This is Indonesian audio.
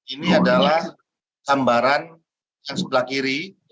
ini adalah gambaran yang sebelah kiri